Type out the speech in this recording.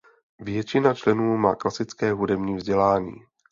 Většina členů má klasické hudební vzdělání.